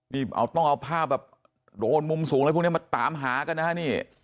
นี่ต้องเอาภาพแบบโดนมุมสูงอะไรพวกนี้มาตามหากันนะฮะนี่